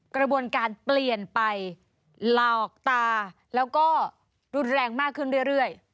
กระบวนการเปลี่ยนไปหลอกตาแล้วก็รุนแรงมากขึ้นเรื่อย